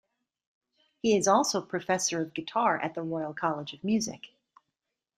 He is also Professor of guitar at the Royal College of Music.